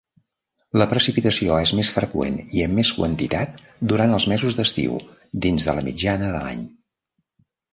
La precipitació és més freqüent i amb més quantitat durant els mesos d'estiu, dins la mitjana de l'any.